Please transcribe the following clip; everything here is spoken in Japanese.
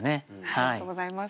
ありがとうございます。